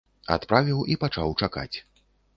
Адправіў і пачаў чакаць.